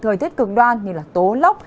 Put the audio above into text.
thời tiết cực đoan như là tố lóc